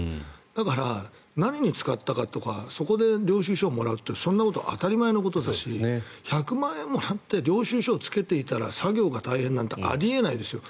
だから、何に使ったかとかそこで領収書をもらうってそんなの当たり前のことだし１００万円もらって領収書をつけていたら作業が大変なんてあり得ないですよ。